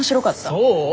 そう？